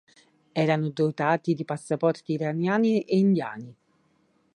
Erano dotati di passaporti iraniani e indiani.